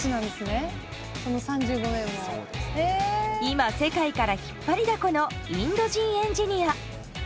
今世界から引っ張りだこのインド人エンジニア。